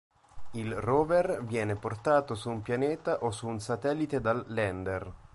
Il "rover" viene portato su un pianeta o su un satellite dal "lander".